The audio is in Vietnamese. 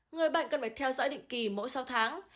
người bệnh cần phải theo dõi định kỳ mỗi sáu tháng